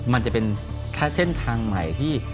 มันจะเป็นแค่เส้นทางใหม่ที่